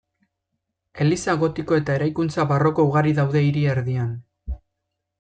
Eliza gotiko eta eraikuntza barroko ugari daude hiri erdian.